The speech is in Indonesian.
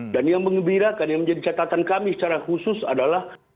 dan yang mengembirakan yang menjadi catatan kami secara khusus adalah